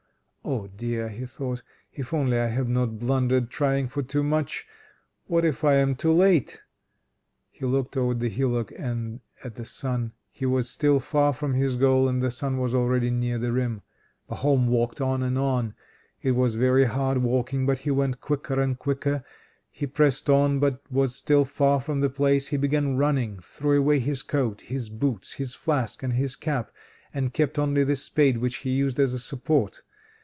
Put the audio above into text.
"Oh dear," he thought, "if only I have not blundered trying for too much! What if I am too late?" He looked towards the hillock and at the sun. He was still far from his goal, and the sun was already near the rim. Pahom walked on and on; it was very hard walking, but he went quicker and quicker. He pressed on, but was still far from the place. He began running, threw away his coat, his boots, his flask, and his cap, and kept only the spade which he used as a support.